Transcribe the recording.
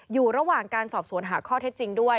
อยู่ระหว่างการสอบสวนหาข้อเท็จจริงด้วย